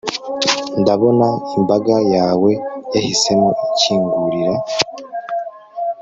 ndabona imbaga yawe yahisemo ikingurira